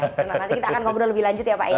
nanti kita akan ngobrol lebih lanjut ya pak ya